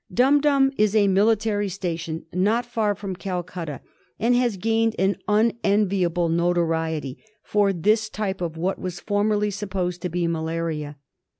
Dum Dum is a military station not far ^^L from Calcutta, and has gained an unenvi ^^^^ able notoriety for this type of what was '^^^^ formerly supposed to be malaria.